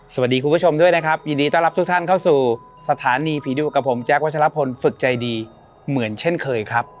สวัสดีคุณผู้ชมด้วยนะครับยินดีต้อนรับทุกท่านเข้าสู่สถานีผีดุกับผมแจ๊ควัชลพลฝึกใจดีเหมือนเช่นเคยครับ